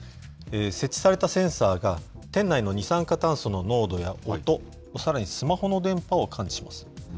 設置されたセンサーが、店内の二酸化炭素の濃度や音、さらにスマホの電波を感知します。